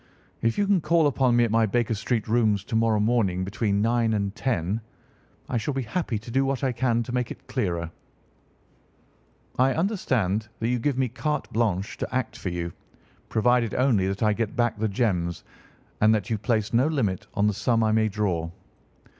"If you can call upon me at my Baker Street rooms to morrow morning between nine and ten I shall be happy to do what I can to make it clearer. I understand that you give me carte blanche to act for you, provided only that I get back the gems, and that you place no limit on the sum I may draw."